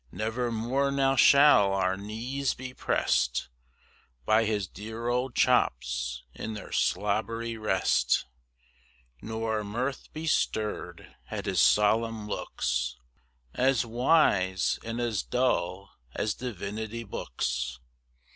Never more now shall our knees be pressed By his dear old chops in their slobbery rest, Nor our mirth be stirred at his solemn looks, As wise, and as dull, as divinity books.